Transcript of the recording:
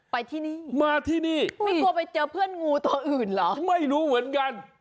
ไปที่นี่ว่าถึงเลี้ยงมันอื่นหรอไม่รู้เหมือนกัน